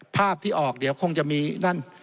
ภาพที่ออกเดี๋ยวคงจะมีนั่น